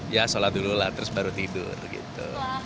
ya sholat dulu lah terus baru tidur gitu